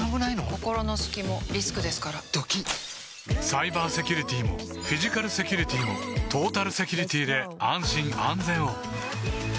心の隙もリスクですからドキッサイバーセキュリティもフィジカルセキュリティもトータルセキュリティで安心・安全を